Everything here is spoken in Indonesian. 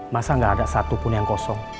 masa gak ada satu pun yang kosong